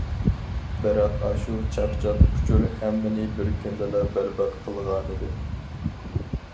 بىراق، ئاشۇ چاقچاق ئۇچۇر ھەممىنى بىر كۈندىلا بەربات قىلغانىدى.